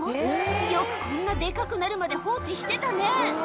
よくこんなデカくなるまで放置してたね